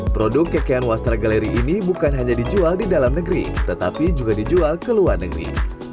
produk kekian wastra galeri ini bukan hanya dijual di dalam negeri tetapi juga dijual ke luar negeri